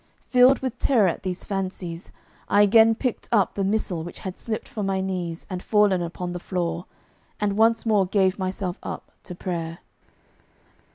Filled with terror at these fancies, I again picked up the missal which had slipped from my knees and fallen upon the floor, and once more gave myself up to prayer.